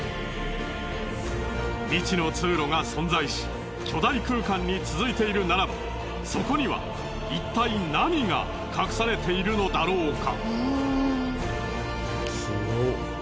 未知の通路が存在し巨大空間に続いているならばそこにはいったい何が隠されているのだろうか？